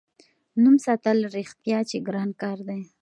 نوم ساتل رښتیا چې ګران کار دی.